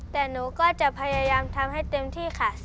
แต่หนูก็จะพยายามทำให้เต็มที่ค่ะ